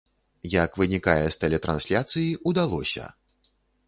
Як вынікае з тэлетрансляцыі, удалося!